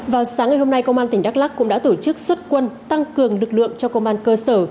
vào sáng ngày hôm nay công an tỉnh đắk lắc cũng đã tổ chức xuất quân tăng cường lực lượng cho công an cơ sở